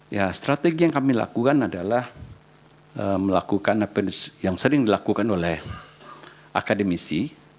ya strategi yang kami lakukan adalah melakukan apa yang sering dilakukan oleh akademisi